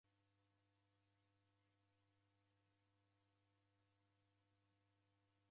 Wachakaleghaa vindo da odaruma shuu!